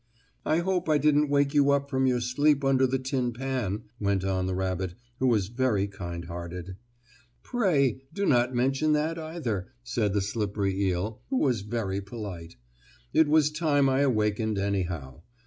"I hope I didn't wake you up from your sleep under the tin pan," went on the rabbit, who was very kind hearted. "Pray do not mention that, either," said the slippery eel, who was very polite. "It was time I awakened, anyhow.